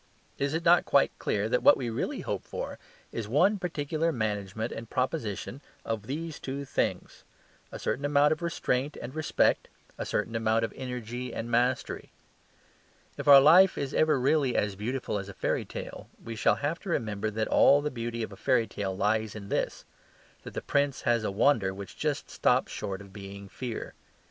Is it not quite clear that what we really hope for is one particular management and proposition of these two things; a certain amount of restraint and respect, a certain amount of energy and mastery? If our life is ever really as beautiful as a fairy tale, we shall have to remember that all the beauty of a fairy tale lies in this: that the prince has a wonder which just stops short of being fear.